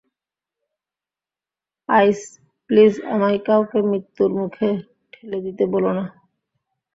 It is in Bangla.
আইস, প্লিজ, আমায় কাউকে মৃত্যুর মুখে ঠেলে দিতে বলো না।